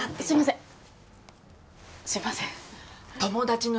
すいません